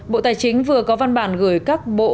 bộ tài chính vừa có văn bản gửi các bộ